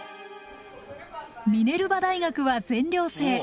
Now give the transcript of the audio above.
ミネルバ大学は全寮制。